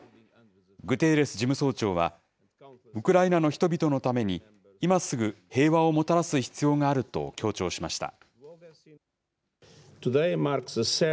グテーレス事務総長は、ウクライナの人々のために、今すぐ平和をもたらす必要があると強調しました。